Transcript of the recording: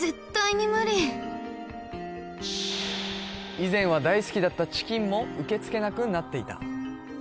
以前は大好きだったチキンも受け付けなくなっていた